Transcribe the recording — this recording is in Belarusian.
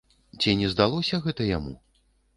Ці не здалося гэта яму?